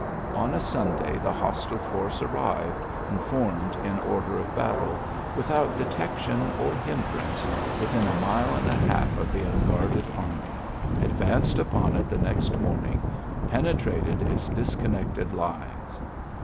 On a Sunday the hostile force arrived and formed in order of battle, without detection or hindrance, within a mile and a half of the unguarded army, advanced upon it the next morn ing, penetrated its disconnected lines.